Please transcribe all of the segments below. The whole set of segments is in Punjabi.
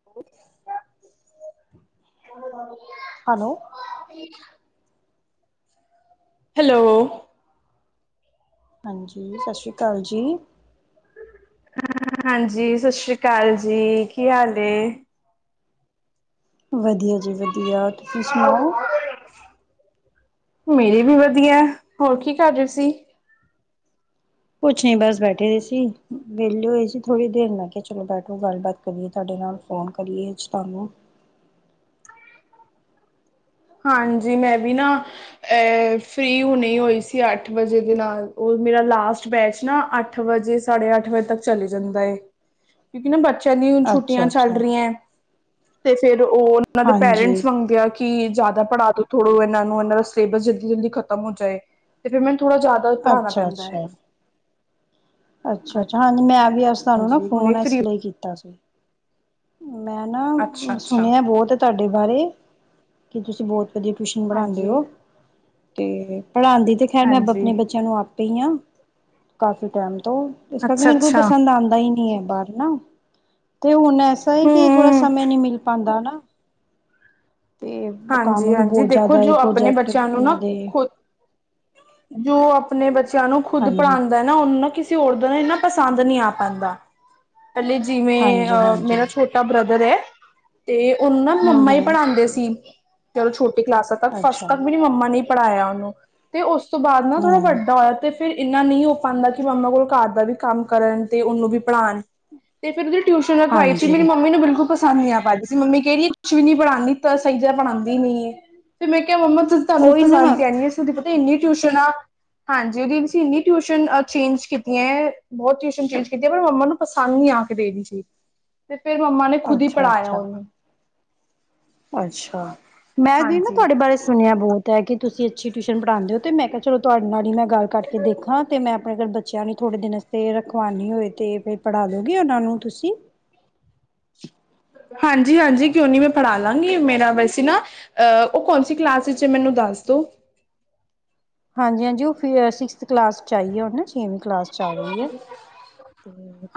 [unintelligible] ਹੈਲੋ। [unintelligible] ਹੈਲੋ। ਹਾਂਜੀ ਸਸ ਸ਼੍ਰੀ ਕਾਲ ਜੀ। ਹਾਂਜੀ, ਸਸ ਸ਼੍ਰੀ ਅਕਾਲ ਜੀ। ਕੀ ਹਾਲ ਏ? ਵਧੀਆ ਜੀ ਵਧੀਆ। ਤੁਸੀਂ ਸੁਣਾਓ [unintelligible] ਮੇਰੇ ਵੀ ਵਧੀਆ ਹੋਰ ਕੀ ਕਰ ਰਹੇ ਸੀ? ਕੁਛ ਨੀ ਬਸ ਬੈਠੇ ਹੋਏ ਸੀ ਵਿਹਲੇ ਹੋਏ ਸੀ ਥੋੜੀ ਦੇਰ ਮੈਂ ਕਿਹਾ ਚਲੋ ਬੈਠੋ ਗੱਲਬਾਤ ਕਰੀਏ ਤੁਹਾਡੇ ਨਾਲ ਫ਼ੋਨ ਕਰੀਏ ਅੱਜ ਤਾਨੂੰ। ਹਾਂਜੀ ਮੈਂ ਵੀ ਨਾ ਐ ਫ੍ਰਰੀ ਹੁਣੀ ਹੋਈ ਸੀ ਅੱਠ ਵਜੇ ਦੇ ਨਾਲ ਉਹ ਮੇਰਾ ਲਾਸਟ ਬੈਚ ਨਾ ਅੱਠ ਅੱਠ ਵਜੇ ਸਾਡੇ ਅੱਠ ਵਜੇ ਤੱਕ ਚਲੇ ਜਾਂਦਾ ਏ। [inaudible] ਕਿਉਂਕਿ ਨਾ ਬੱਚਿਆਂ ਦੀ ਹੁਣ ਛੁੱਟੀਆਂ ਅੱਛਾ ਚੱਲ ਅੱਛਾ ਰਹੀਆਂ ਤੇ ਫੇਰ ਉਹ ਨਾਂ ਦੇ ਹਾਂਜੀ ਪੇਰੈਂਟਸ ਮੰਗਦੇ ਆ ਕਿ ਜ ਦਾ ਪੜ੍ਹਾ ਦੋ ਥੋੜੋ ਇਹਨਾ ਨੂੰ, ਇਹਨਾਂ ਦਾ ਸਿਲੇਬਸ ਜਲਦੀ ਜਲਦੀ ਖਤਮ ਹੋ ਜਾਏ ਫੇਰ ਮੈਂ ਥੋੜਾ ਜ਼ਿਆਦਾ ਪੜ੍ਹਾਆਣਾ ਅੱਛਾ ਪੈਂਦਾ ਏ। ਅੱਛਾ-ਅੱਛਾ, ਹਾਂਜੀ, ਮੈਂ ਵੀ ਅੱਜ ਤੁਹਾਨੂੰ ਨਾ ਹਾਂਜੀ ਹੁਣੇ ਫੋਨ ਇਸ ਫ੍ਰੀ ਲਈ ਕੀਤਾ ਸੀ। ਮੈਂ ਨਾ ਅੱਛਾ ਅੱਛਾ ਸੁਣਿਆ ਬੌਤ ਏ ਤੁਹਾਡੇ ਬਾਰੇ ਕੀ ਤੁਸੀਂ ਬੌਤ ਵਧੀਆ ਟਿਊਸ਼ਨ ਪੜਾਂਦੇ ਓ ਹਾਂਜੀ ਤੇ ਪੜ੍ਹਾਦੀ ਤੇ ਖੈਰ ਮੈਂ ਹਾਂਜੀ ਆਪਣੇ ਬੱਚਿਆਂ ਨੂੰ ਆਪ ਪੇਈਆਂ ਕਾਫੀ ਟਾਈਮ ਤੋਂ, ਇਸ ਕਰਕੇ ਅੱਛਾ ਮੈਨੂੰ ਕੋਈ ਅੱਛਾ ਪਸੰਦ ਆਂਦਾ ਹੀ ਨਹੀਂ ਹੈ ਬਾਰ ਤੇ ਹੁਣ ਐਸਾ ਤਰ੍ਹਾਂ ਏ ਕਿ ਥੋੜਾ ਹਮ ਸਮੇਂ ਨੀ ਮਿਲ ਪਾਦਾ ਹਨਾ ਵੀ ਹਾਂਜੀ-ਹਾਂਜੀ, ਬਹੁਤ ਦੇਖੋ ਜ਼ਿਆਦਾ ਹੈ ਜੋ ਆਪਣੇ ਪ੍ਰੋਜੈਕਟ ਬੱਚਿਆਂ ਵੀ ਨੂੰ ਉਹਨਾਂ ਨਾ ਦੇ ਖੁਦ ਜੋ ਆਪਣੇ ਬੱਚਿਆਂ ਨੂੰ ਖੁਦ ਹਾਂਜੀ ਪੜ੍ਹਾਦਾ ਉਹਨੂੰ ਨਾ ਕਿਸੇ ਹੋਰ ਦਾ ਨਾ ਇਨਾ ਪਸੰਦ ਨੀ ਆ ਪਾਂਦਾ। ਹਲੇ ਹਾਂਜੀ ਜਿਵੇਂ ਹਾਂਜੀ ਮੇਰਾ ਛੋਟਾ ਬ੍ਰਦਰ ਏ। ਤੇ ਉਨੂੰ ਨਾ ਹਮ ਮੰਮਾ ਈ ਹਮ ਪੜ੍ਹਾਂਦੇ ਸੀ ਜਦੋ ਛੋਟੀ ਕਲਾਸਾਂ ਤੱਕ ਫਸਟ ਅੱਛਾ ਤੱਕ ਮੇਰੀ ਮੰਮਾ ਨੇ ਪੜਾਇਆ ਉਹਨੂੰ ਤੇ ਉਸ ਤੋਂ ਬਾਅਦ ਨਾ ਥੋੜਾ ਹਮ ਵੱਡਾ ਹੋਇਆ ਤੇ ਫਿਰ ਇੰਨਾ ਨੀ ਹੋ ਪਾਂਦਾ ਕਿ ਮੰਮਾ ਕੋਲ, ਘਰ ਦਾ ਵੀ ਕੰਮ ਕਰਨ ਤੇ ਉਨੂੰ ਵੀ ਪੜ੍ਹਾਣ ਤੇ ਫਿਰ ਉਹਦੀ ਟਿਊਸ਼ਨ ਰਖਵਾਈ ਸੀ ਮੇਰੀ ਹਾਂਜੀ ਮੰਮੀ ਨੂੰ ਬਿਲਕੁਲ ਪਸੰਦ ਨੀ ਆ ਪਾ ਰਹੀ ਸੀ ਮੰਮੀ ਕਦੀਏ ਕੁਛ ਵੀ ਨੀ ਪੜਾ ਪਾ ਰਹੀ ਤਾਂ ਸਹੀ ਪੜ੍ਹਾਂਦੀ ਨੀ ਫਿਰ ਮੈਂ ਕਿਹਾ ਮੰਮਾ ਤੁਹਾਨੂੰ ਉਹੀ ਨਾ ਪਸੰਦ ਤਾਂ ਆਨੀ ਤੁਸੀਂ ਪਤਾ ਇੰਨੀਆਂ ਟਿਊਸ਼ਨਾਂ ਹਾਂਜੀ ਉਹਦੀ ਅਸੀਂ ਇੰਨੀ ਟਿਊਸ਼ਨ ਚੇਂਜ ਕੀਤੀਆਂ ਬਹੁਤ ਟਿਊਸ਼ਨ ਚੇਂਜ ਕੀਤੀਆਂ ਪਰ ਮੰਮਾ ਨੂੰ ਸਾਨੂੰ ਨੀ ਆ ਕੇ ਦੇਣੀ ਸੀ। [inaudible] ਤੇ ਫੇਰ ਮੰਮਾ ਨੇ ਖੁਦ ਈ ਅੱਛਾ ਪੜ੍ਹਾਇਆ ਅੱਛਾ ਉਨੂੰ ਅੱਛਾ, ਮੈਂ ਦੀ ਨਾ ਹਾਂਜੀ ਤੁਹਾਡੇ ਬਾਰੇ ਸੁਣਿਆ ਬੌਤ। ਤਾਂ ਕਿ ਤੁਸੀਂ ਅੱਛੀ ਟਿਊਸ਼ਨ ਪੜ੍ਹਾਉਂ ਹੋ ਅਤੇ ਮੈਂ ਕਿਹਾ ਚਲੋ ਤੁਹਾਡੇ ਨਾਲ ਹੀ ਮੈਂ ਗੱਲ ਕਰਕੇ ਦੇਖਾਂ ਅਤੇ ਮੈਂ ਆਪਣੇ ਘਰ ਬੱਚਿਆਂ ਨੂੰ ਥੋੜ੍ਹੇ ਦਿਨ ਤੇ ਰਖਵਾਨੀ ਹੋਏ ਤੇ ਫਿਰ ਪੜ੍ਹਾ ਦਉਗੇ, ਉਨਾਂ ਨੂੰ ਤੁਸੀਂ। ਹਾਂਜੀ-ਹਾਂਜੀ, ਕਿਉਂ ਨਹੀਂ, ਮੈਂ ਪੜ੍ਹਾ ਲਾਂਗੀ ਮੇਰਾ ਵੈਸੇ ਨਾ- ਅ ਉਹ ਕੌਣ ਸੀ ਕਲਾਸ ਚ, ਮੈਨੂੰ ਦੱਸ ਦੋ। ਹਾਂਜੀ-ਹਾਂਜੀ, ਉਹ ਸਿਕਸਥ ਕਲਾਸ 'ਚ ਆਈ ਏ ਹੁਣ, ਛੇਵੀਂ ਕਲਾਸ 'ਚ ਆ ਰਹੀ ਏ।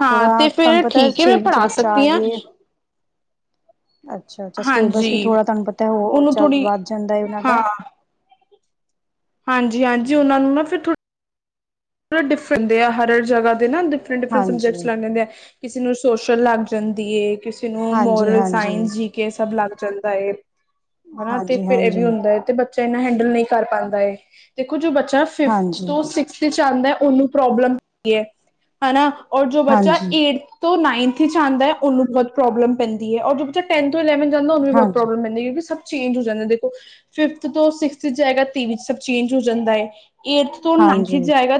ਹਾਂ ਤੇ ਤੁਹਾਨੂੰ ਫਿਰ ਪਤਾ ਠੀਕ ਹੈ ਮੈਂ ਛੇਵੀਂ ਚ ਪੜ੍ਹਾ ਬੱਚਾ ਸਕਦੀ ਹਾਂ ਆਜੇ ਅੱਛਾ-ਅੱਛਾ, ਸਿਲੇਬਸ ਵੀ ਹਾਂਜੀ ਥੋੜਾ ਤਾਨੂੰ ਪਤਾ ਏ ਉਹਨੂੰ ਉਹ ਥੋੜ੍ਹੀ ਵੱਧ ਜਾਂਦਾ ਏ ਉਹਨਾਂ ਦਾ ਹਾਂਜੀ-ਹਾਂਜੀ, ਉਹਨਾਂ ਨੂੰ ਨਾ ਫ਼ਿਰ ਥੋ- ੜੇ ਡਿਫਰੈਂ ਹੁੰਦੇ ਆ ਹਰ ਜ੍ਹਗਾ ਦੇ ਨਾ ਡਿਫਰੈਂ ਡਿਫਰੈਂ ਸਬਜੈਕਟ ਹਾਂਜੀ ਲੈਣੇ ਹੁੰਦੇ ਆ ਕਿਸੇ ਨੂੰ ਸੋਸ਼ਲ ਲੱਗ ਜਾਂਦੀ ਏ, ਕਿਸੇ ਨੂੰ ਹਾਂਜੀ ਮੋਰਲ ਹਾਂਜੀ ਸਾਇੰਸ ਜੀ ਕੇ ਸਭ ਲੱਗ ਜਾਂਦਾ ਏ ਹਨਾ ਤੇ ਹਾਂਜੀ ਫਿਰ ਇਹ ਵੀ ਹਾਂਜੀ ਹੁੰਦਾ ਹੈ ਤੇ ਬ ਬੱਚਾ ਇਨਾ ਹੈਂਡਲ ਨੀ ਕਰ ਪਾਂਦਾ ਏ, ਦੇਖੋ ਜੋ ਬੱਚਾ ਫਿਫਥ ਹਾਂਜੀ ਤੋਂ ਸਸ ਥ ਚ ਆਦਾ ਉਨੂੰ ਪ੍ਰੋਬਲਮ ਹੁੰਦੀ ਏ ਹਨਾ ਔਰ ਜੋ ਬੱਚਾ ਹਾਂਜੀ ਏਟਥ ਤੋਂ ਨਾਈਨਥ ਚ ਆਦਾ ਉਨੂੰ ਬੌਤ ਪ੍ਰੋਬਲਮ ਪੈਂਦੀ ਏ ਔਰ ਜੋ ਬ ਟੈਨ ਤੋਂ ਇਲੈਵਨ ਜਾਂਦਾ ਨੂੰ ਵੀ ਬਹੁ ਹਾਂਜੀ ਪ੍ਰੋਬਮ ਰੈਂਦੀ ਏ ਕਿਉਂਕਿ ਸਭ ਚੇਂਜ ਹੋ ਜਾਂਦਾ ਦੇਖੋ ਫਿਫਥ ਤੋਂ ਸਿਕਸਥ ਚ ਹੈਗਾ ਤੇਵ ਸਭ ਚੇਂਜ ਹੋ ਜਾਂਦਾ ਹੈ। ਐਠ ਤੋਂ ਨਾਈਥ'ਚ' ਹਾਂਜੀ ਜਾਏਗਾ,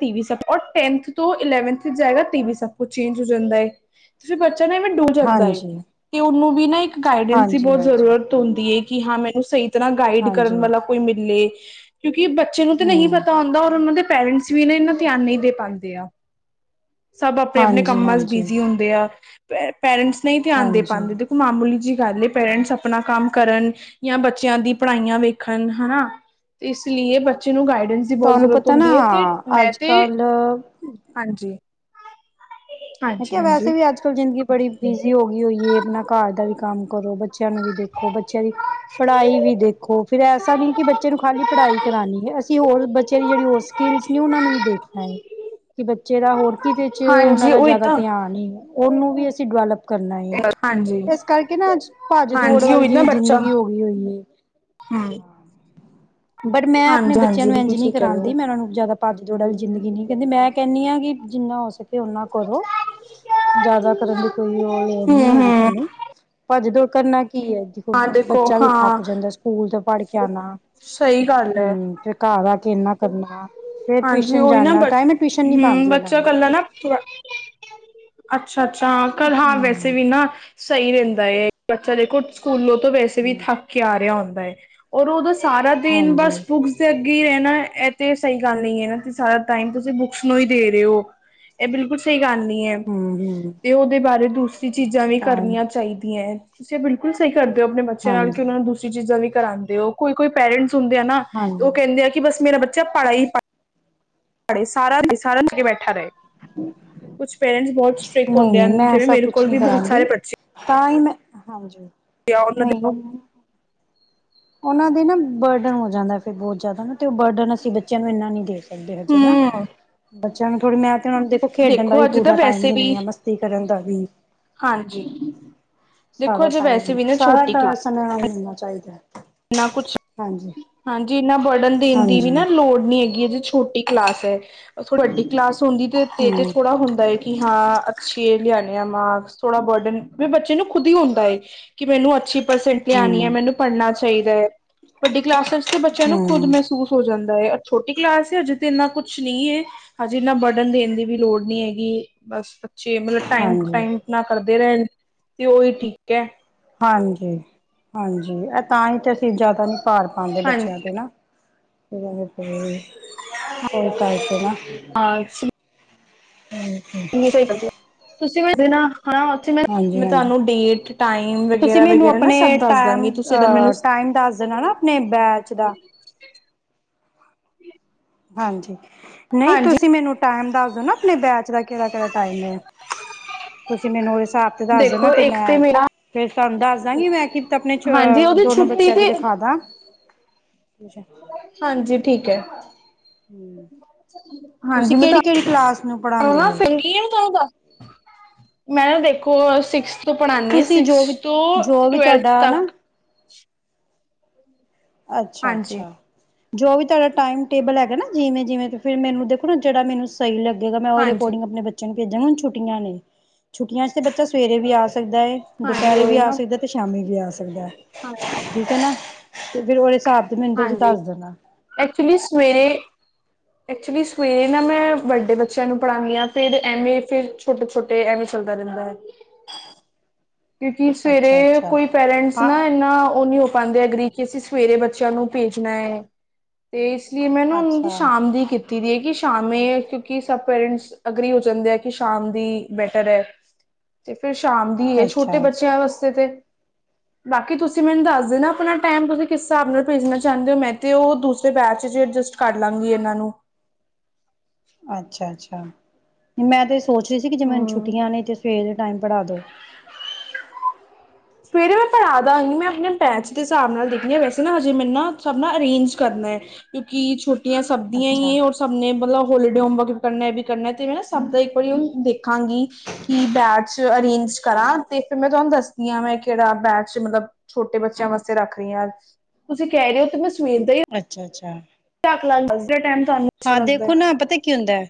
ਤੀ ਵੀ ਟੈਨਥ ਤੋਂ ਇਲੈਵਨਥ ਜਾਏਗਾ ਤੇਵੀ ਵੀ ਸਭ ਕੁਝ ਚੇਂਜ ਹੋ ਜਾਂਦਾ ਹੈ। ਤੁਸੀਂ ਬੱਚਾ ਨਾ ਵੀ ਡੂਬ ਜਾਂਦਾ ਹੈ ਹਾਂਜੀ ਤੇ ਉਹਨੂੰ ਵੀ ਨਾ ਇੱਕ ਗਾਈਡੈਂਸ ਦੀ ਹਾਂਜੀ ਹਾਂਜੀ ਬਹੁਤ ਜ਼ਰੂਰਤ, ਹੁੰਦੀ ਹੈ ਕਿ ਹਾਂ ਮੈਨੂੰ ਸਹੀ ਤਰ੍ਹਾਂ ਗਾਈਡ ਕਰਨ ਹਾਂਜੀ ਵਾਲਾ ਕੋਈ ਮਿਲੇ ਕਿਉਂਕਿ ਬੱਚੇ ਨੂੰ ਤਾਂ ਨਹੀਂ ਹਮ ਪਤਾ ਹੁੰਦਾ ਔਰ ਉਹਨਾਂ ਦੇ ਪੇਰੈਂਟਸ ਪੈਰੇੰਸ ਇਹਨਾਂ ਧਿਆਨ ਨਹੀਂ ਦੇ ਪਾਉਂਦੇ ਆ ਸਭ ਆਪਣੇ ਆਪਣੇ ਹਾਂਜੀ ਕੰਮਾਂ ਚ ਹਾਂਜੀ ਬਿਜੀ ਹੁੰਦੇ ਆ ਪੇਰੈਂਟਸ ਨਹੀਂ ਹੀ ਧਿਆਨ ਦੇ ਹਾਂਜੀ ਪਾਉਂਦੇ ਦੇਖੋ ਮਾਮੂਲੀ ਜਿਹੀ ਗੱਲ ਪੇਰੈਂਟਸ ਆਪਣਾ ਕੰਮ ਕਰਨ, ਜਾਂ ਬੱਚਿਆਂ ਦੀ ਪੜ੍ਹਾਈਆਂ ਵੇਖਣ ਹਨਾ ਤੇ ਇਸ ਲਈ ਬੱਚੇ ਨੂੰ ਗਾਈਡੈਂਸ, ਜੀ ਬਹੁਤ ਤੁਹਾਨੂੰ ਜ਼ਰੂਰਤ ਪਤਾ ਨਾ ਹੁੰਦੀ ਹੈ ਤੇ ਮੈਂ ਅੱਜ ਤੇ ਕੱਲ ਹਾਂਜੀ, ਮੈਂ ਹਾਂਜੀ, ਕਿਹਾ ਵੈਸੇ ਹਾਂਜੀ। ਵੀ ਅੱਜ, ਅਲ ਜ਼ਿੰਦਗੀ ਬੜੀ ਬਿਜ਼ੀ ਹੋ ਗਈ ਹੋਈਏ ਆਪਣਾ ਘਰ ਦਾ ਵੀ ਕੰਮ ਕਰੋ ਬੱਚਿਆਂ ਨੂੰ ਵੀ ਦੇਖੋ ਬੱਚਿਆਂ ਦੀ ਪੜ੍ਹਾਈ ਵੀ ਦੇਖੋ ਫਿਰ ਐਸਾ ਨਹੀਂ ਕਿ ਬੱਚੇ ਨੂੰ ਖਾਲੀ ਪੜ੍ਹਾਈ ਕਰਾਣੀ ਹੈ ਅਸੀਂ ਹੋਰ ਬੱਚੇ ਦੀ ਜਿਹੜੀ ਹੋਰ, ਸਕੀਲ ਨੇ ਉਹਨਾਂ ਨੂੰ ਵੀ ਦੇਖਣਾ ਹੈ ਕਿ ਬੱਚੇ ਦਾ ਹੋਰ ਕਿਤੇ 'ਚ' ਉਹਨਾਂ ਹਾਂਜੀ ਦਾ ਉਹੀ ਜ਼ਿਆਦਾ, ਤਾਂ ਆਨੀ ਉਹਨੂੰ ਵੀ ਅਸੀਂ ਗਲ, ਕਰਨਾ ਏ ਹਾਂਜੀ, ਇਸ ਕਰਕੇ ਨਾ ਅੱਜ ਭੱਜ ਦੋੜ ਹਾਂਜੀ ਵੱਲ ਜਿਵੇਂ ਜ਼ਿੰਦਗੀ ਹੋ ਗਈ ਹੋਈ ਹੈ। ਹਾਂ, ਬਟ ਮੈਂ ਆਪਣੇ ਬੱਚਿਆਂ ਨੂੰ ਇੰਜ ਨਹੀਂ ਸਹੀ ਕਹਿ ਰਹੇ ਕਰਾਉਂਦੀ ਹੋ। ਮੈਂ ਉਹਣਾ ਨੂੰ ਜ਼ਿਆਦਾ, ਪਜ ਦੋੜ ਵਾਲੀ ਜ਼ਿੰਦਗੀ ਨਹੀਂ ਕਹਿੰਦੀ ਮੈਂ ਕਹਿੰਦੀ ਹਾਂ ਕਿ ਜਿੰਨਾ ਹੋ ਸਕੇ ਓਨਾ ਕਰੋ, ਜ਼ਿਆਦਾ ਕਰਨ ਦੀ ਕੋਈ ਉਹ ਲੋੜ ਨਹੀਂ ਹੂੰ, ਹੈਗੀ ਹੂੰ ਤੁਹਾਨੂੰ ਭੱਜ ਦੋੜ ਕਰਨ ਨਾ ਕੀ ਹੈ। ਹਾਂ ਦੇਖੋ ਬੱਚਾ ਵੀ ਹਾਂ ਥੱਕ ਜਾਂਦਾ, ਸਕੂਲ ਤੋ ਪੜ ਕੇ ਆਣਾ ਸਹੀ ਗੱਲ ਹੈ। ਹਮ ਫਿਰ ਘਰ ਆ ਕੇ ਇਨਾ ਕਰਨਾ, ਫੇਰ ਹਾਂਜੀ ਟਿਊਸ਼ਨ ਉਹੀ ਨਾ ਜਾਣਾ ਬ ਤਾਹੀ ਮੈਂ ਟਿਊਸ਼ਨ ਨੀ ਹਮ ਪਾਉਂਦੀ ਇਹਨਾਂ ਬੱਚਾ ਨੂੰ, ਨਾ ਤਰਾ [inaudible] ਅੱਛਾ ਅੱਛਾ ਹਾਂ ਕੱਲ ਹਾਂ ਵੈਸੇ ਹਮ ਵੀ ਨਾ ਸਹੀ ਰਹਿੰਦਾ ਹੈ ਬੱਚਾ ਦੇਖੋ ਸਕੂਲੋਂ ਤੋਂ ਵੈਸੇ, ਵੀ ਹਮ ਥੱਕ ਕੇ ਆ ਰਿਹਾ ਹੁੰਦਾ ਹੈ ਔਰ ਉਦੋਂ ਸਾਰਾ ਦਿਨ ਹਾਂਜੀ ਬਸ ਬਸ, ਤੇ ਅੱਗੇ ਈ ਰਹਿਣਾ ਇਹ ਤੇ ਸਹੀ ਗੱਲ ਨਹੀਂ ਹੈ ਨਾ ਸਾਰਾ ਟਾਈਮ ਤੁਸੀਂ ਬੁੱਕਸ ਨੂੰ ਹੀ ਦੇ ਰਹੇ ਹੋ। ਇਹ ਬਿਲਕੁਲ ਸਹੀ ਗੱਲ ਨਹੀਂ ਹੈ ਹਮ ਹਮ ਤੇ ਉਹਦੇ ਬਾਰੇ ਦੂਸਰੀ ਚੀਜ਼ਾਂ ਵੀ ਤਾਂ ਹੀ ਕਰਨੀਆਂ ਚਾਹੀਦੀਆਂ ਹੈ। ਜੀ ਬਿਲਕੁਲ ਸਹੀ ਕਰਦੇ ਹੋ ਆਪਣੇ ਬੱਚੇ ਨਾਲ ਹਾਂਜੀ ਕਿ ਉਹ ਨੂੰ ਦੂਸਰੀ ਚੀਜ਼ਾਂ ਵੀ ਕਰਾਉਂਦੇ ਹੋ ਕੋਈ ਕੋਈ ਪੇਰੈਂਟਸ ਹੁੰਦੇ ਹੈ ਨਾ ਤੇ ਹਾਂਜੀ ਉਹ ਕਹਿੰਦੇ ਆ ਕਿ ਬਸ ਮੇਰਾ ਬੱਚਾ ਪੜ੍ਹਾਈ ਪੜੇ ਸਾਰਾ ਦੇ ਸਾਰਾ ਦਿਨ ਕੇ ਬੈਠਾ ਰਹੇ। ਕੁਛ ਪੇਰੈਂਟਸ ਬਹੁਤ ਸਟ੍ਰਿਕਟ ਨਹੀਂ ਹੁੰਦੇ ਨਹੀਂ ਹਨ ਮੈਂ ਜਿਵੇਂ ਐਸਾ ਮੇਰੇ ਕੁਛ ਕੋਲ ਨਹੀਂ ਵੀ ਬਹੁਤ ਸਾਰੇ ਕਰਾਂਗੀ ਬੱਚੇ ਤਾਂ ਹੀ ਮੈਂ ਹਾਂਜੀ ਆ ਉਹਨਾਂ ਦੇ ਨਹੀਂ ਉਹਨਾਂ ਦੇ ਨਾ ਬਰਡਨ ਹੋ ਜਾਂਦਾ ਫਿਰ ਬਹੁਤ ਜ਼ਿਆਦਾ ਨਾ ਤੇ ਉਹ ਬਰਡਨ ਅਸੀਂ ਬੱਚਿਆਂ ਨੂੰ ਇੰਨਾ ਨੀ ਦੇ ਸਕਦੇ ਹਜੇ ਨਾ ਹੂੰ ਬੱਚਿਆਂ ਨੂੰ ਥੋੜੀ ਮੈਂ ਤੇ ਉਹ ਨੂੰ ਦੇਖੋ ਖੇਡਣ ਦਾ ਵੀ ਅੱਜ ਤਾਂ ਪੂਰਾ ਟਾਈਮ ਵੈਸੇ ਵੀ ਦਿੰਦੀ ਹਾਂ ਮਸਤੀ ਕਰਨ ਦਾ ਵੀ ਹਾਂਜੀ ਦੇਖੋ ਅਜੇ ਵੈਸੇ ਵੀ ਨਾ ਛੋਟੀ ਕਲਾਸ ਇਨ੍ਹਾਂ ਨਾਲ ਵੀ ਮਿਲਣਾ ਚਾਹੀਦਾ। ਨਾ ਕੁਛ ਹਾਂਜੀ ਹਾਂਜੀ ਇੰਨਾ ਬਰਡਨ ਦੇਣ ਦੀ ਵੀ ਨਾ ਹਾਂਜੀ ਲੋੜ ਨੀ ਹੈਗੀ ਹੈ ਜੇ ਛੋਟੀ ਕਲਾਸ ਹੈ ਥੋੜ ਵੱਡੀ ਕਲਾਸ ਹੁੰਦੀ ਤੇ ਤੇ ਹਮ ਥੋੜਾ ਹੁੰਦਾ ਹੈ। ਕਿ ਹਾਂ ਅੱਛੇ ਲਿਆਣੇ ਆ ਮਾਰਕਸ ਥੋੜਾ ਬਰਡਨ ਬੱਚੇ ਨੂੰ ਖੁਦ ਹੀ ਹੁੰਦਾ ਹੈ। ਕਿ ਮੈਨੂੰ ਅੱਛੀ ਪਰਸੇਂਟ ਲਿਆਣੀ ਹਮ ਮੈਨੂੰ ਪੜਨਾ ਚਾਹੀਦਾ ਹੈ ਵਡੀ ਕਲਾਸ ਵਿਚ ਬੱਚਿਆਂ ਨੂੰ ਖੁਦ ਹਮ ਮਹਿਸੂਸ ਹੋ ਜਾਂਦਾ ਹੈ ਛੋਟੀ ਕਲਾਸ ਹੈ ਅਜੇ ਤੇ ਇੰਨਾ ਕੁਛ ਨਹੀਂ ਹੈ। ਹਜੇ ਇਨਾ ਬਰਡਨ ਦੇਣ ਦੀ ਵੀ ਲੋੜ ਨਹੀਂ ਹੈਗੀ ਬਸ ਜੇ ਮਤਲਬ ਟਾਈਮ ਟੂ ਹਾਂਜੀ ਟਾਈਮ ਆਪਣਾ ਕਰਦੇ ਰਹਿਣ ਤੇ ਉਹੀ ਠੀਕ ਏ ਹਾਂਜੀ-ਹਾਂਜੀ ਇਹ ਤਾਂ ਹੀ ਤਾਂ ਅਸੀਂ ਜ਼ਿਆਦਾ ਨੀ। ਭਾਰ ਪਾਂਦੇ ਬੱਚਿਆਂ ਹਾਂਜੀ ਤੇ ਨਾ। [unintelligible] ਹੋਰ ਕਰਕੇ ਨਾ। ਆਛ [inaudible] [unintelligible] ਤੁਸੀਂ ਮੇਰੇ ਹਾਂਜੀ ਮੈਂ ਹਾਂਜੀ ਤੁਹਾਨੂੰ ਡੇਟ ਟਾਈਮ ਤੁਸੀਂ ਮੈਨੂੰ ਵਗੈਰਾ-ਵਗੈਰਾ ਨਾ ਆਪਣੇ ਸਬ ਦੱਸ ਦਾਂਗੀ ਤੁਸੀ ਤਾਂ ਮੈਨੂੰ ਨਈ ਬੈਚ ਦਾ ਹਾਂਜੀ ਨਹੀਂ ਹਾਂਜੀ ਤੁਸੀਂ ਮੈਨੂੰ ਟਾਇਮ ਦੱਸ ਦਿਓ ਨਾ ਆਪਣੇ ਬੈਚ ਦਾ ਕਿਹੜਾ-ਕਿਹੜਾ ਟਾਇਮ ਹੈ ਤੁਸੀਂ ਮੈਨੂੰ ਉਹਦੇ ਹਿਸਾਬ ਤੇ ਦੱਸ ਦੇਨਾ ਦੇਖੋ ਤੇ ਇੱਕ ਮੈਂ ਮੇਰਾ ਫਿਰ ਤੁਹਾਨੂੰ ਦੱਸ ਦਾਂਗੀ ਮੈਂ ਕਿਤ ਆਪਣੇ ਹਾਂਜੀ ਉਹਦੀ ਦੋਨੋ ਛੁੱਟੀ ਬੱਚਿਆਂ ਦੀ ਤੇ ਰਖਾਂ ਦਾਂ। ਅੱਛਾ ਹਾਂਜੀ ਠੀਕ ਏ ਹੂੰ ਹਾਂਜੀ ਮੈਂ ਨੂੰ ਪੜ੍ਹਾਉਂਦੇ ਹੋ [unintelligible] ਚਾਹੀਦਾ ਮੈਂ ਨਾ ਦੇਖੋ ਸਿਕਸਥ ਤੋਂ ਪੜ੍ਹਾਣੀ ਹਾਂ ਤੁਸੀਂ ਜੋ ਵੀ ਸਿਕਸਥ ਤੋਂ ਜੋ ਵੀ ਟਵੈਲਥ ਤੁਹਾਡਾ ਨਾ ਤੱਕ ਹਾਂਜੀ ਅੱਛਾ-ਅੱਛਾ ਜੋ ਵੀ ਤੁਹਾਡਾ ਟਾਈਮ ਟੇਬਲ ਹੈਗਾ ਨਾ ਜਿਵੇਂ-ਜਿਵੇਂ ਫਿਰ ਮੈਨੂੰ ਦੇਖੋ ਨਾ ਜਿਹੜਾ ਮੈਨੂੰ ਸਹੀ ਲੱਗੇਗਾ ਮੈਂ ਉਹਦੇ ਹਾਂਜੀ ਅਕੋਡਿੰਗ ਆਪਣੇ ਬ ਭੇਜਣ ਹੁਣ ਛੁੱਟੀਆਂ ਨੇ ਛੁੱਟੀਆਂ 'ਚ ਤੇ ਬੱਚਾ ਸਵੇਰੇ ਵੀ ਆ ਸਕਦਾ ਹੈ ਹਾਂਜੀ ਦੁਪਹਿਰੇ ਵੀ ਉਹੀ ਆ ਨਾ ਸਕਦਾ। ਤੇ ਸ਼ਾਮੀ ਵੀ ਆ ਸਕਦਾ ਹਾਂ ਠੀਕ ਹੈ ਨਾ ਤੇ ਫਿਰ ਉਹਦੇ ਹਿਸਾਬ ਤੇ ਮੈਨੂੰ ਤੁਸੀਂ ਹਾਂਜੀ ਦੱਸ ਦੇਣਾ। ਐਕਚੁਲੀ ਸਵੇਰੇ ਐਕਚੁਲੀ ਸਵੇਰੇ ਨਾ ਮੈਂ ਵੱਡੇ ਬੱਚਿਆਂ ਨੂੰ ਪੜਾਂਨੀ ਆਂ। ਫਿਰ ਐਵੇਂ ਫਿਰ ਛੋਟੇ-ਛੋਟੇ ਐਵੇਂ ਚੱਲਦਾ ਰਹਿੰਦਾ। ਕਿਉਂਕਿ ਸਵੇਰੇ ਅੱਛਾ-ਅੱਛਾ ਕੋਈ ਪੇਰੈਂਟਸ ਨਾ ਹਾਂ ਇੰਨਾ ਉਹ ਨੀ ਪਾਂਦੇ ਐਗਰੀ ਕਿ ਅਸੀਂ ਸਵੇਰੇ ਬੱਚਿਆਂ ਨੂੰ ਭੇਜਣਾ ਏ। ਤੇ ਇਸ ਲਈ ਮੈਂ ਨਾ ਉਹਨਾਂ ਦੀ ਅੱਛਾ, ਸ਼ਾਮ ਦੀ ਕੀਤ ਦੀ ਹੈ ਕਿ ਸ਼ਾਮੀ ਕਿਉਂਕਿ ਸਭ ਪੇਰੈਂਟਸ ਅਗਰੀ ਹੋ ਜਾਂਦੇ ਆ ਕਿ ਸ਼ਾਮ ਦੀ ਬੈਟਰ ਹੈ। ਤੇ ਫਿਰ ਸ਼ਾਮ ਦੀ ਏ ਛੋਟੇ ਅੱਛਾ। ਬੱਚਿਆਂ ਵਾਸਤੇ ਤੇ ਬਾਕੀ ਤੁਸੀਂ ਮੈਨੂੰ ਦੱਸ ਦੇਨਾ ਆਪਣਾ ਟਾਈਮ ਤੁਸੀਂ ਕਿਸ ਹਿਸਾਬ ਨਾਲ ਭੇਜਣਾ ਚਾਹੁੰਦੇ ਹੋ ਮੈਂ ਤੇ ਉਹ ਦੂਸਰੇ ਬੈਚ ਜ ਅਡਜਸਟ ਕਰ ਲਾਂਗੀ ਇਹਨਾਂ ਨੂੰ ਅੱਛਾ -ਅੱਛਾ ਮੈਂ ਤੇ ਇਹ ਸੋਚ ਰਹੀ ਸੀ, ਕਿ ਜੇ ਮੈਨੂੰ ਹਮ ਛੁੱਟੀਆਂ ਨੇ ਤੇ ਸਵੇਰ ਦੇ ਟਾਈਮ ਪੜ੍ਹਾ ਦੋ ਸਵੇਰੇ ਮੈਂ ਪੜਾ ਦਾਂਗੀ, ਮੈਂ ਆਪਣੇ ਬੈਚ ਦੇ ਹਿਸਾਬ ਨਾਲ ਦੇਖਦੀ ਹਾਂ, ਵੈਸੇ ਨਾ ਹਜੇ ਮੈਰੇ ਨਾ ਸਬ ਨਾ ਅਰੇਂਜ ਕਰਨਾ ਹੈ। ਕਿਉਂਕਿ ਛੋਟ ਸਭਦੀਆਂ ਅੱਛਾ, ਹੀ ਰ ਸਭ ਨੇ ਮਤਲਬ ਹੋਲੀਡੇ ਹੋਮਵਰਕ ਵੀ ਕਰਨਾ, ਵੀ ਕਰਨਾ ਤੇ ਮੈਂ ਨਾ ਸਭ ਦਾ ਇੱਕ ਵਾਰੀ ਦੇਖ ਦੇਖਾਂਗੀ ਕਿ ਬੈਚ ਅਰੇਂਜ ਕਰਾਂ, ਤੇ ਫਿਰ ਮੈਂ ਤੁਹਾਨੂੰ ਦੱਸ ਮੈਂ ਕਿਹੜਾ ਬੈਚ, ਮਤਲਬ ਛੋਟੇ ਬੱਚਿਆਂ ਵਾਸਤੇ ਰੱਖ ਰਹੀ ਹਾਂ, ਤੁਸੀਂ ਕਹਿ ਰਹੇ ਹੋ ਤੇ ਮੈਂ [unintelligible] ਹੀ ਅੱਛਾ-ਅੱਛਾ ਲੱਗਦਾ ਟਾਈਮ ਤੁਹਾਨੂੰ ਅੱਛਾ ਹਾਂ ਲੱਗਦਾ ਹੈ ਦੇਖੋ ਨਾ, ਪਤਾ ਕੀ ਹੁੰਦਾ,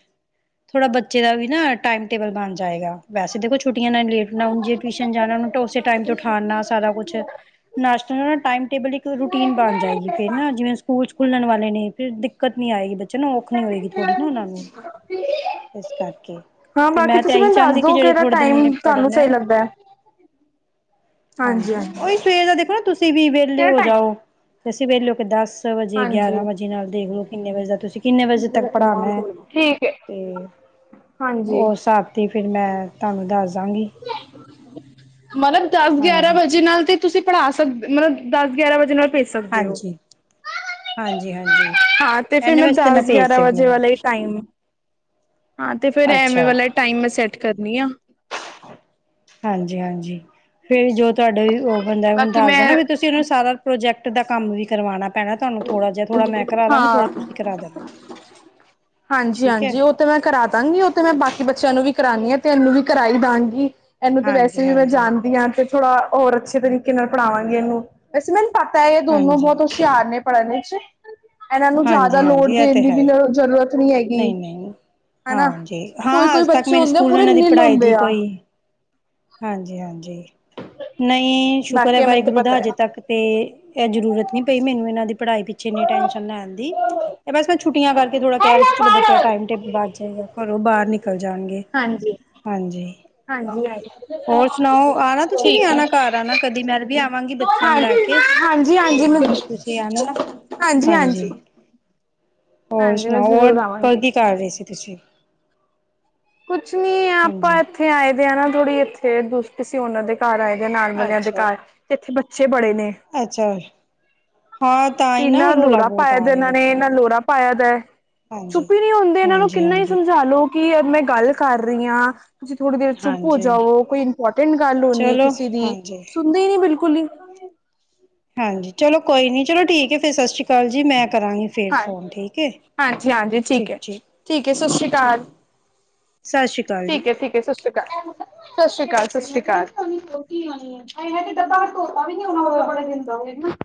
ਥੋੜਾ ਬੱਚੇ ਦਾ ਵੀ ਨਾ ਟਾਈਮ ਟੇਬਲ ਬਣ ਜਾਏਗਾ। ਵੈਸੇ ਦੇਖੋ ਛੁੱਟੀਆਂ ਨਾਲ ਲੇਟ ਨਾ ਹੁਣ ਜੇ ਟਿਊਸ਼ਨ ਜਾਣਾ, ਤਾਂ ਉਸੇ ਟਾਈਮ ਤੋਂ ਉਠਾਣ ਨਾਲ ਸਾਰਾ ਕੁਛ ਨਾਸ਼ਤਾ ਨਾ ਟਾਈਮ ਟੇਬਲ ਇੱਕ ਰੂਟੀਨ ਬਣ ਜਾਏਗੀ, ਫਿਰ ਨਾ ਜਿਵੇਂ ਸਕੂਲ ਖੁਲਣ ਵਾਲੇ ਨੇ, ਫਿਰ ਦਿੱਕਤ ਨਹੀਂ ਆਏਗੀ ਬ ਚ ਨ ਔਖ ਨੀ ਹੋਏਗੀ। ਥੋੜ੍ਹੀ ਨਾ ਉਹਨਾਂ ਨੂੰ ਇਸ ਕਰਕੇ ਹਾਂ ਤੇ ਬਾਕੀ ਮੈਂ ਤੇ ਤੁਸੀਂ ਇਹੀ ਮੈਨੂੰ ਦੱਸ ਚਾਹੁੰਦੀ, ਕਿ ਦੋ ਜਿਹੜੇ ਕਿਹੜਾ ਥੋੜੇ ਦਿਨ ਉਹਨੇ ਟਾਈਮ ਤੁਹਾਨੂੰ ਪੜ੍ਹਨਾ ਸਹੀ ਏ ਲੱਗਦਾ ਹੈ ਹਾਂਜੀ, ਉਹੀ ਸਵੇਰ ਦਾ ਦੇਖੋ ਨਾ, ਤੁਸੀਂ ਵੀ ਵਿਹਲੇ ਕਿਹੜਾ ਹੋ ਟਾਈਮ ਜਾਓ ਫੇਰ ਅਸੀਂ ਵੇਖ ਲਓ, ਕਿ ਦਸ ਵਜੇ, ਗਿਆਰਾਂ ਹਾਂਜੀ ਵਜੇ ਨਾਲ ਦੇਖ ਲਓ, ਕਿੰਨੇ ਵਜੇ ਦਾ ਤੁਸੀਂ ਕਿੰਨੇ ਵਜੇ ਤੱਕ ਪੜ੍ਹਾਉਣਾ ਠੀਕ ਹੈ ਤੇ ਹਾਂਜੀ ਉਸ ਹਿਸਾਬ ਤੀ ਫੇਰ ਮੈਂ ਤੁਹਾਨੂੰ ਦੱਸ ਦਾਂਗੀ। ਮਤਲਬ ਦਸ ਗਿਆਰਾਂ ਹਾਂਜੀ, ਵਜੇ ਨਾਲ ਤੇ ਤੁਸੀਂ ਪੜ੍ਹਾ ਸਕਦੇ, ਮਤਲਬ ਦਸ ਗਿਆਰਾਂ ਵਜੇ ਨਾਲ ਭੇਜ ਸਕਦੇ ਹੋ। ਹਾਂਜੀ, ਹਾਂਜੀ- ਹਾਂਜੀ ਹਾਂ, ਤੇ ਫੇਰ ਐਨੇ ਮੈਂ ਵਾਸਤੇ ਦਸ ਭੇਜ ਗਿਆਰਾਂ ਵਜੇ ਸਕਦੀ ਹਾਂ, ਵਾਲੇ ਟਾਈਮ ਹਾਂ, ਤੇ ਫੇਰ ਐਵੇਂ ਅੱਛਾ ਵਾਲਾ ਟਾਈਮ ਮੈਂ ਸੈਟ ਕਰਨੀ ਆ ਹਾਂਜੀ -ਹਾਂਜੀ ਫੇਰ ਜੋ ਤੁਹਾਡਾ ਓਵਨ ਓਵਨ ਦਾ ਤੁਹਾਡਾ ਬਾਕੀ ਮੈਂ ਦੱਸਦਾ ਨਾ ਵੀ ਤੁਸੀਂ ਉਹਨੂੰ ਸਾਰਾ ਪ੍ਰੋਜੈਕਟ ਦਾ ਕੰਮ ਵੀ ਕਰਵਾਉਣਾ। ਪੈਣਾ ਤੁਹਾਨੂੰ ਥੋੜਾ ਜਿਹਾ, ਥੋੜਾ ਮੈਂ ਕਰਾ ਦਾਂਗੀ, ਹਾਂ ਥੋੜਾ ਤੁਸੀਂ ਕਰਾ ਦੇਣਾ ਹਾਂਜੀ ਠੀਕ ਹੈ। ਹਾਂਜੀ ਉਹ ਤੇ ਮੈਂ ਕਰਾ ਦਵਾਂਗੀ, ਉਹ ਤੇ ਮੈਂ ਬਾਕੀ ਬੱਚਿਆਂ ਨੂੰ ਵੀ ਕਰਾਉਂਦੀ ਹਾਂ, ਤੇ ਇਹਨੂੰ ਵੀ ਕਰਾਈ ਦਾਂਗੀ। ਐਹਨੂੰ ਤੇ ਵੈਸੇ ਹਾਂਜੀ, ਵੀ ਮੈਂ ਹਾਂਜੀ, ਜਾਣਦੀ ਹਾਂ, ਤੇ ਥੋੜਾ ਹੋਰ ਅੱਛੇ ਤਰੀਕੇ ਤਰੀਕੇ ਨਾਲ ਪੜ੍ਹਾਵਾਂਗੇ ਇਹਨੂੰ, ਵੈਸੇ ਮੈਨੂੰ ਪਤਾ ਹੈ, ਇਹ ਦੋਨੋ ਹਾਂਜੀ, ਬਹੁਤ ਹੁਸ਼ਿਆਰ ਨੇ ਪੜ੍ਹਨ ਵਿਚ ਇਹਨਾਂ ਨੂੰ ਜ਼ਿਆਦਾ ਹਾਂਜੀ, ਲੋੜ ਹਾਂਜੀ ਇਹ ਦੇਣ ਤੇ ਦੀ ਵੀ ਹੈ। ਨਾ ਜ਼ਰੂਰਤ ਨਹੀਂ -ਨਹੀਂ ਹਨਾ ਹਾਂਜੀ ਕੋਈ ਹਾਂ, ਕੋਈ ਹਜੇ ਤੱਕ ਬੱਚੇ ਮੇਰੇ ਹੁੰਦੇ ਆ ਸਕੂਲ ਪੂਰੇ ਉਹਨਾਂ ਦੀ ਨਿਲ ਪੜ੍ਹਾਈ ਦੀ ਹੁੰਦੇ ਆ ਕੋਈ ਹਾਂਜੀ -ਹਾਂਜੀ ਨਹੀਂ ਸ਼ੁਕਰ ਬਾਕੀ ਮੈਨੂੰ ਤੇ ਵਾਹਿਗੁਰੂ ਪਤਾ ਦਾ ਹੈ ਹਜੇ ਤੱਕ ਤੇ ਇਹ ਜ਼ਰੂਰਤ ਨਹੀਂ ਪਈ, ਮੈਨੂੰ ਇਹਨਾਂ ਦੀ ਪੜ੍ਹਾਈ ਪਿੱਛੇ ਇੰਨੀ ਟੈਂਨਸ਼ਨ ਲੈਣ ਦੀ ਇਹ ਬਸ, ਛੁੱਟੀਆਂ ਕਰਕੇ ਥੋੜਾ ਕਹਿ ਰਹੇ ਸੀ, ਚਲੋ ਬੱਚਾ ਟਾਈਮ ਟੇਬਲ ਵੱਧ ਜਾਏਗਾ ਘਰੋਂ ਬਾਹਰ ਨਿਕਲ ਜਾਣਗੇ। ਹਾਂਜੀ ਹਾਂਜੀ, ਹਾਂਜੀ ਹਾਂਜੀ ਹੋਰ ਸੁਣਾਓ, ਆਣਾ ਤੁਸੀਂ ਵੀ ਠੀਕ ਹੈ। ਆਣਾ ਘਰ ਆਣਾ ਕਦੀ ਮੈਂ ਵੀ ਆਵਾਂਗੀ। ਹਾਂ ਬੱਚਿਆਂ ਨੂੰ ਲੈ ਕੇ, ਹਾਂਜੀ ਹਾਂਜੀ ਮੈਂ ਤੇ ਤੁਸੀਂ ਆਣਾ ਨਾ, ਹਾਂਜੀ। ਹੋਰ ਹਾਂਜੀ ਮੈਂ ਸੁਣਾਓ, ਹੋਰ ਜ਼ਰੂਰ ਕਦੀ ਆਵਾਂਗੀ ਕੀ ਕਰ ਰਹੇ ਸੀ ਤੁਸੀਂ ਕੁਛ ਨੀ ਆਪਾਂ, ਹਾਂਜੀ ਇੱਥੇ ਆਏ [unintelligible] ਥੋੜ੍ਹੀ ਇੱਥੇ ਦੂਸ ਤੁਸੀਂ ਉਹਨਾਂ ਦੇ ਘਰ ਆਏ ਨਾਲ ਵਾਲਿਆਂ ਦੇ ਅੱਛਾ ਘਰ, ਇੱਥੇ ਬੱਚੇ ਬੜੇ ਨੇ ਅੱਛਾ ਹਾਂ ਤਾਂ ਹੀ ਨਾ ਤੇਨਾਂ ਰੌਲਾ ਲੋਰਾ ਬਹੁਤ ਪਾਇਆ ਆ ਰਿਹਾ ਇਹਨਾਂ ਨੇ, ਬੱਚਿਆਂ ਇਹਨਾਂ ਦਾ ਲੋਰਾ ਪਾਇਆ ਦਾ ਹਾਂਜੀ ਚੁੱਪ ਨੀ ਹੁੰਦੇ, ਇਹਨਾਂ ਨੂੰ ਹਾਂਜੀ ਕਿੰਨਾ ਹੀ ਹਾਂਜੀ ਸਮਝਾ ਲੋ, ਕਿ ਮੈਂ ਗੱਲ ਕਰ ਰਹੀ ਹਾਂ। ਤੁਸੀਂ ਥੋੜੀ ਦੇਰ ਚੁੱਪ ਹੋ ਹਾਂਜੀ ਜਾਓ, ਕੋਈ ਇੰਪੋਰਟੈਂਟ ਗੱਲ ਹੋਣੀ ਚਲੋ ਕਿਸੇ ਦੀ, ਹਾਂਜੀ ਸੁਣਦੇ ਹੀ ਨੀ ਬਿਲਕੁਲ ਹੀ ਹਾਂਜੀ, ਚਲੋ ਕੋਈ ਨੀ ਚਲੋ ਠੀਕ ਹੈ ਫੇਰ ਸਸ਼੍ਰੀ ਅਕਾਲ ਜੀ। ਮੈਂ ਕਰਾਂਗੀ ਫੇਰ ਹਾਂ ਫੋਨ ਠੀਕ ਹੈ। ਹਾਂਜੀ -ਹਾਂਜੀ ਠੀਕ ਹੈ ਠੀਕ ਹੈ ਸਸ਼੍ਰੀ ਅਕਾਲ। ਸਸ੍ਰੀ ਅਕਾਲ ਜੀ। ਠੀਕ ਹੈ, ਠੀਕ ਹੈ, ਸਸ਼੍ਰੀ ਅਕਾਲ, ਸਸ਼੍ਰੀ ਅਕਾਲ, ਸਸ਼੍ਰੀ ਅਕਾਲ। ਹਾਏ ਹਾਏ ਡੱਬਾ ਧੋਤਾ ਵੀ ਨਹੀਂ ਹੋਣਾ ਉਹ ਵਾਲੇ ਦਿਨ ਦਾ ਉਹੀ ਨਾ